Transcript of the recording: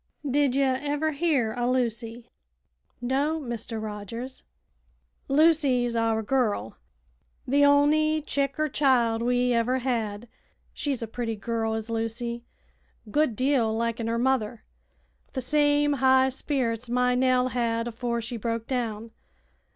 Did ye ever hear o' Lucy?" "No, Mr. Rogers." "Lucy's our girl the on'y chick er child we ever had. She's a pretty girl, is Lucy; a good deal liken her mother; wi' the same high spirits my Nell had afore she broke down.